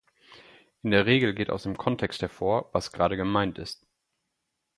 In der Regel geht aus dem Kontext hervor, was gerade gemeint ist.